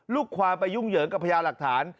ลูกความไปยุ่งเหยิงกับพญาหลักฐาน